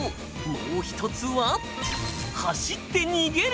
もう一つは走って逃げる。